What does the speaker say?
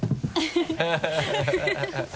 ハハハ